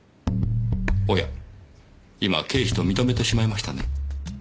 おや今経費と認めてしまいましたね？